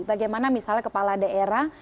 bagaimana misalnya kepala daerah